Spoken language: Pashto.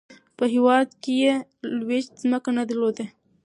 په هیواد کې یې لویشت ځمکه نه درلوده.